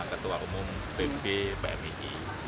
ketua umum pb pmi